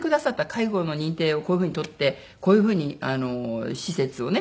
介護の認定をこういう風に取ってこういう風に施設をね